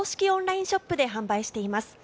オンラインショップで販売しています。